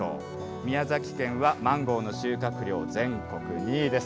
宮崎県はマンゴーの収穫量全国２位です。